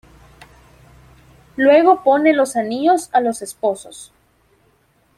Luego pone los anillos a los esposos.